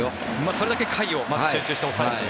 それだけまず甲斐を集中して抑えると。